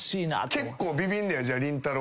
結構ビビんねやりんたろー。